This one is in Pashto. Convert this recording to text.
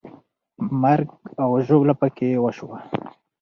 مرګ او ژوبله پکې وسوه.